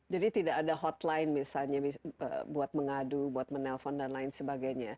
jadi tidak ada hotline misalnya buat mengadu buat menelpon dan lain sebagainya